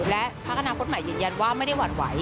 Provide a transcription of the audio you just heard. และพักอนาคตใหม่ยืนยันว่าไม่ได้หวั่นไหว